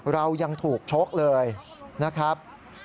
เรายังถูกชกเลยนะครับ